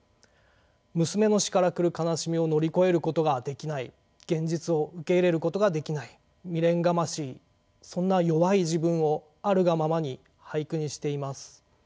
娘の死から来る悲しみを乗り越えることができない現実を受け入れることができない未練がましいそんな弱い自分をあるがままに俳句にしています。